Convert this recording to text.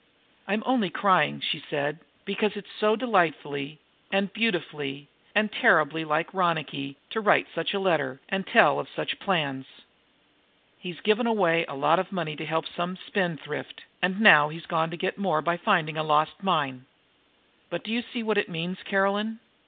"I'm only crying," she said, "because it's so delightfully and beautifully and terribly like Ronicky to write such a letter and tell of such plans. He's given away a lot of money to help some spendthrift, and now he's gone to get more money by finding a lost mine!' But do you see what it means, Caroline?